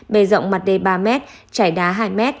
bề rộng mặt đê ba m chải đá hai m